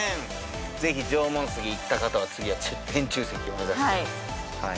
ぜひ縄文杉行った方は次は天柱石を目指してはい